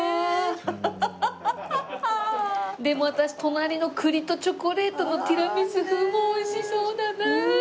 でも私隣の栗とチョコレートのティラミス風もおいしそうだな。